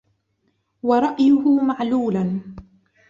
وَرَأْيُهُ مَعْلُولًا